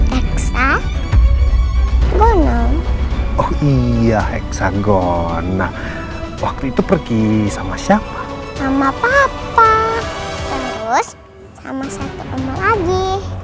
heksagon oh iya heksagon nah waktu itu pergi sama siapa sama papa terus sama satu om lagi